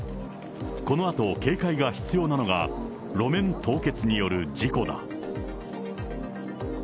このあと警戒が必要なのが路面凍結による事故だ。